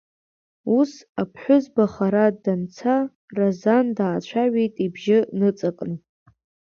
Ус, аԥҳәызба хара данца, Разан даацәажәеит ибжьы ныҵакны…